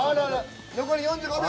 残り４５秒。